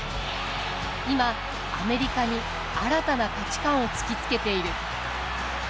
今アメリカに新たな価値観を突きつけている。